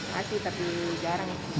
masih tapi jarang